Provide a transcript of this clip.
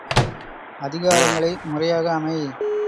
அதிகாரங்களை முறையாக அமை.